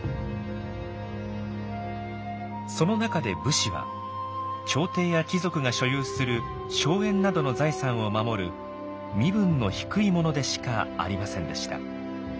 その中で武士は朝廷や貴族が所有する荘園などの財産を守る身分の低い者でしかありませんでした。